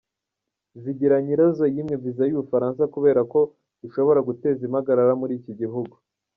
Zigiranyirazo yimwe Visa y’u Bufaransa kubera ko bishobora guteza impagarara muri iki gihugu.